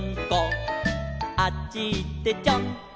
「あっちいってちょんちょん」